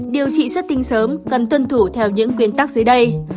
điều trị xuất tinh sớm cần tuân thủ theo những quyến tắc dưới đây